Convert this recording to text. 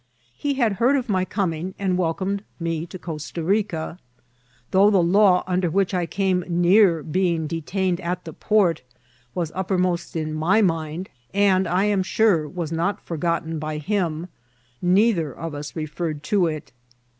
He had heard of my coming, and welcomed me to Costa Rica. Though the law under which I came near being detain ed at the port was uppermost in my mind, and I ani sure was not fiHrgotten by him, neither of us referred to it.